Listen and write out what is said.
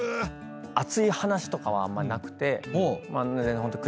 熱い話とかはあんまなくて。